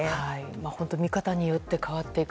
本当、見方によって変わっていく。